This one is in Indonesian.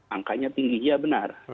angkanya tinggi ya benar